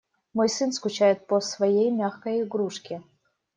Мой сын скучает по своей мягкой игрушке.